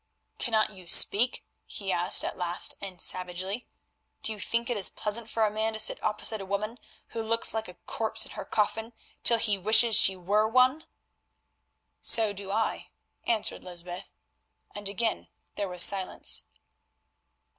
"Cannot you speak?" he asked at last and savagely. "Do you think it is pleasant for a man to sit opposite a woman who looks like a corpse in her coffin till he wishes she were one?" "So do I," answered Lysbeth, and again there was silence.